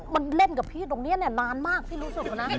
มันเล่นกับพี่ตรงนี้เนี่ยนานมากพี่รู้สึกแล้วนะ